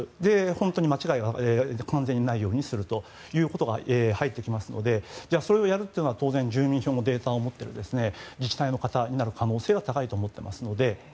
本当に間違いが完全にないようにするということが入ってきますのでそれをやるというのは当然住民票のデータを持っている自治体の方になる可能性が高いと思っていますので。